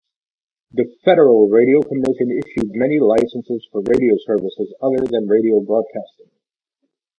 The Federal Radio Commission issued many licenses for radio services other than radio broadcasting.